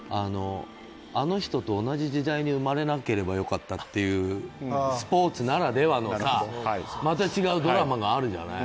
あの人と同じ時代に生まれなければよかったというスポーツならではのまた違うドラマがあるじゃない。